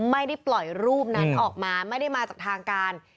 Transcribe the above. ไม่ได้ปล่อยรูปนั้นออกมาไม่ได้มาจากทางการ